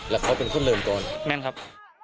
แล้วเขาเป็นคนเดิมก่อนแม่นครับ